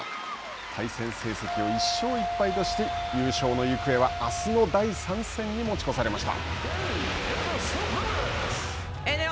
対戦成績を１勝１敗とし、優勝の行方はあすの第３戦に持ち越されました。